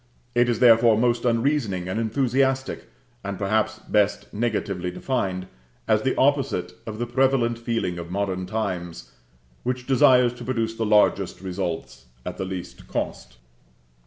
It is therefore most unreasoning and enthusiastic, and perhaps best negatively defined, as the opposite of the prevalent feeling of modern times, which desires to produce the largest results at the least cost.